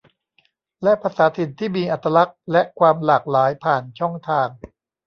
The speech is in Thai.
และภาษาถิ่นที่มีอัตลักษณ์และความหลากหลายผ่านช่องทาง